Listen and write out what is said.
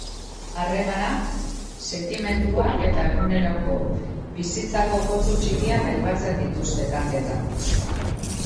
Harremanak, sentimenduak eta eguneroko bizitzako kontu txikiak aipatzen dituzte kantetan.